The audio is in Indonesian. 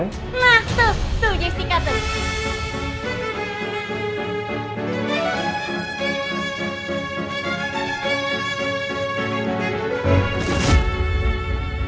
nah tuh tuh jessica tuh